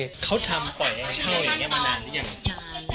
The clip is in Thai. เขาทำปล่อยให้เช่าอย่างนี้มานานหรือยัง